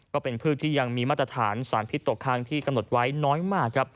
พืชที่ยังมีมาตรฐานสารพิษตกค้างที่กำหนดไว้น้อยมากครับ